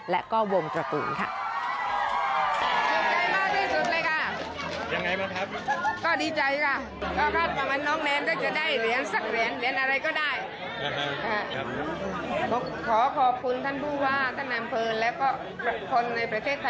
และก็วงตระกูลค่ะ